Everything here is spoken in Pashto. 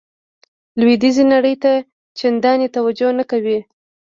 لویدیځې نړۍ ته چندانې توجه نه کوي.